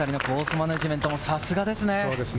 マネジメントも、さすがですね。